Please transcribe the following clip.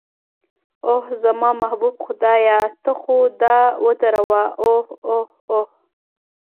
اوه، زما محبوب خدایه ته خو دا ودروه، اوه اوه اوه.